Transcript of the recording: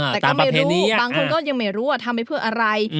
แต่ก็ไม่รู้บางคนก็ยังไม่รู้ว่าทำไปเพื่ออะไร